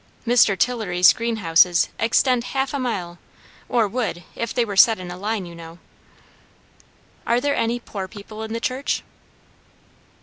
Mr. Tillery's greenhouses extend half a mile, or would, if they were set in a line, you know." "Are there any poor people in the church?"